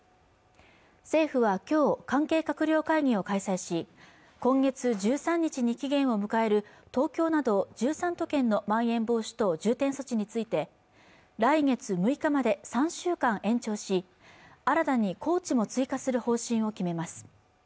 政府はきょう関係閣僚会議を開催し今月１３日に期限を迎える東京など１３都県のまん延防止等重点措置について来月６日まで３週間延長し新たに高知も追加する方針を決めます